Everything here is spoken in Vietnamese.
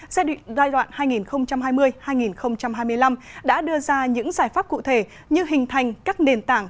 giai đoạn hai nghìn hai mươi hai nghìn hai mươi năm đã đưa ra những giải pháp cụ thể như hình thành các nền tảng